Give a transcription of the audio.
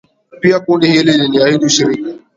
Pia kundi hili liliahidi ushirika